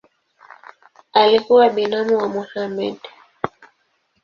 Alikuwa binamu wa Mohamed.